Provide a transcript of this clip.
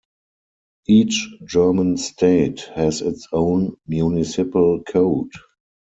Each German state has its own municipal code.